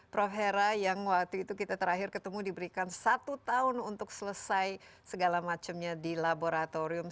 prof hera yang waktu itu kita terakhir ketemu diberikan satu tahun untuk selesai segala macamnya di laboratorium